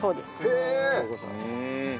へえ。